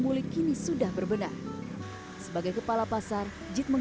si jago merah membubihanguskan pasar runjang